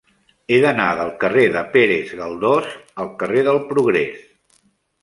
He d'anar del carrer de Pérez Galdós al carrer del Progrés.